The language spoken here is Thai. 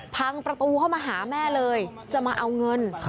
พังประตูเข้ามาหาแม่เลยจะมาเอาเงิน